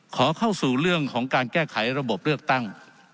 ขอเข้าสู่เรื่องของการแก้ไขระบบเลือกตั้ง